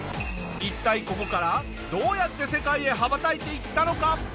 一体ここからどうやって世界へ羽ばたいていったのか？